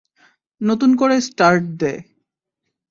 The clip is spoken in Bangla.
নতুন করে স্টার্ট দে।